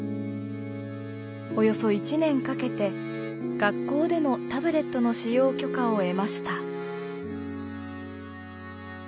およそ１年かけて学校でのタブレットの使用許可を得ました。